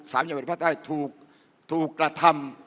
สามยาวิทยาภาคใต้ถูกกระทำ